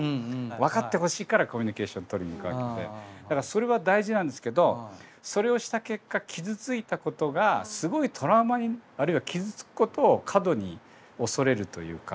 分かってほしいからコミュニケーションとりにいくわけでだからそれは大事なんですけどそれをした結果傷ついたことがすごいトラウマにあるいは傷つくことを過度に恐れるというか。